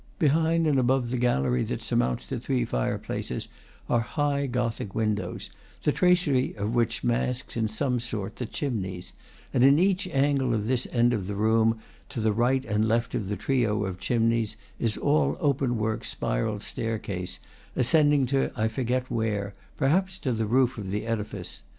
Behind and above the gallery that surmounts the three fireplaces are high Gothic windows, the tracery of which masks, in some sort, the chimneys; and in each angle of this and of the room to the right and left of the trio of chimneys, is all open work spiral staircase, ascending to I forget where; perhaps to the roof of the edifice.